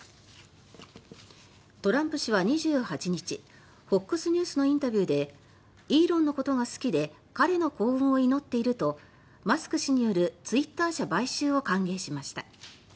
トランプ氏は２８日ＦＯＸニュースのインタビューでイーロンのことが好きで彼の幸運を祈っているとマスク氏によるツイッター社買収を歓迎しました。